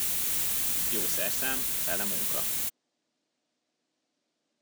Jó szerszám, fele munka.